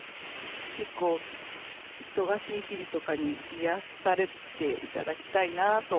結構、忙しい日々とかに、癒やされていただきたいなあと。